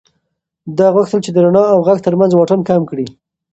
ده غوښتل چې د رڼا او غږ تر منځ واټن کم کړي.